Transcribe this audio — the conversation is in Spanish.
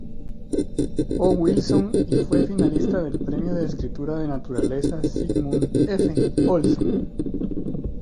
O. Wilson, y fue finalista del premio de escritura de naturaleza Sigurd F. Olson.